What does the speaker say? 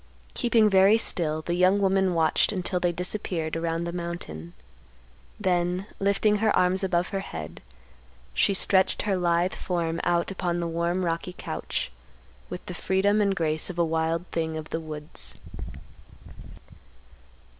Keeping very still the young woman watched until they disappeared around the mountain. Then, lifting her arms above her head, she stretched her lithe form out upon the warm rocky couch with the freedom and grace of a wild thing of the woods.